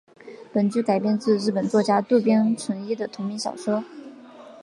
本剧改编自日本作家渡边淳一的同名小说。